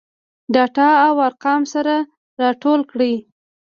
ډاټا او ارقام سره راټول کړي.